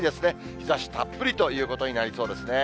日ざしたっぷりということになりそうですね。